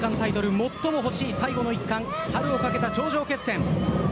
最も欲しい最後の１冠春をかけた頂上決戦。